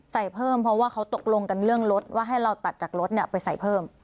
ใส่เพิ่มเพราะว่าเขาตกลงกันเรื่องรถว่าให้เราตัดจากรถไปใส่เพิ่ม